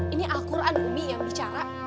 ini al quran umi yang bicara